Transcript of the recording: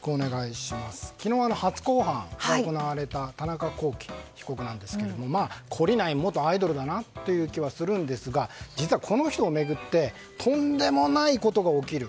昨日、初公判が行われた田中聖被告なんですが懲りない元アイドルだなという気はするんですが実は、この人を巡ってとんでもないことが起きる。